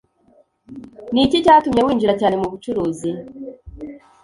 Ni iki cyatumye winjira cyane mu bucuruzi